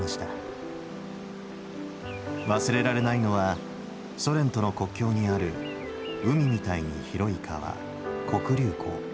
忘れられないのはソ連との国境にある海みたいに広い川黒竜江。